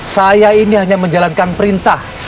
saya ini hanya menjalankan perintah